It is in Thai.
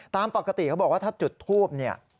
ตามปกติเขาบอกว่าถ้าจุดทูบเนี่ย